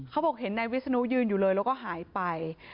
เขาบอกเห็นนายวิศนุยืนอยู่เลยแล้วก็หายไป